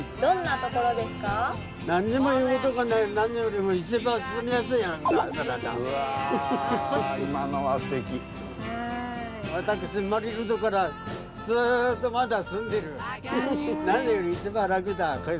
私生まれるとからずっとまだ住んでる。